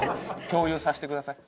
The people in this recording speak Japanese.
共有させてください。